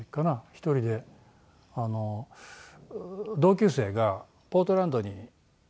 １人であの同級生がポートランドに引っ越してしまって。